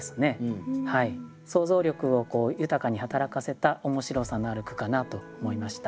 想像力を豊かに働かせた面白さのある句かなと思いました。